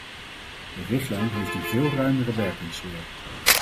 De richtlijn heeft een veel ruimere werkingssfeer.